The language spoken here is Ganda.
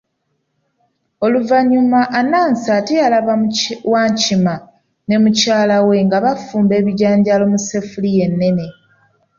Oluvannyuma Anansi ate yalaba Wankima ne mukyala we nga bafumba ebijanjaalo mu sseffuliya ennene.